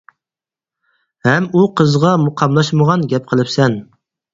ھەم ئۇ قىزغا قاملاشمىغان گەپ قىلىپسەن.